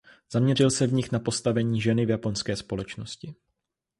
Zaměřil se v nich na postavení ženy v japonské společnosti.